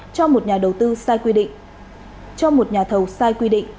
cho một nhà đầu tư sai quy định cho một nhà thầu sai quy định